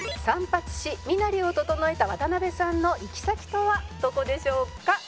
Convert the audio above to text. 「散髪し身なりを整えた渡辺さんの行き先とはどこでしょうか？」